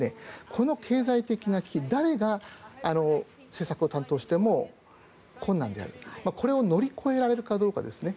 この経済的な危機を誰が政策を担当しても困難である、これを乗り越えられるかどうかですね。